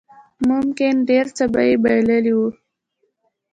ممکن ډېر څه به يې بايللي وو.